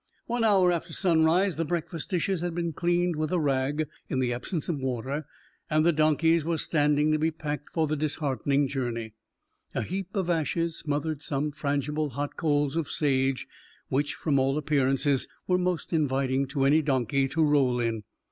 One hour after sunrise the breakfast dishes had been cleaned with a rag, in the absence of water, and the donkeys were standing to be packed for the disheartening journey. A heap of ashes smothered some fragile hot coals of sage, which, from all appearances, were most inviting to any donkey to roll in.